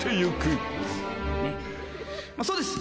そうです。